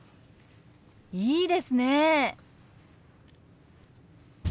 いいですね！